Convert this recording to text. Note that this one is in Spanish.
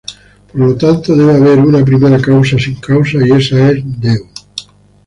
Por lo tanto, debe haber una primera causa sin causa, y esa es Dios.